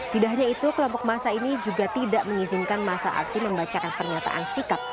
tidak hanya itu kelompok masa ini juga tidak mengizinkan masa aksi membacakan pernyataan sikap